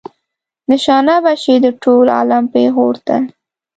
نشانه به شئ د ټول عالم پیغور ته.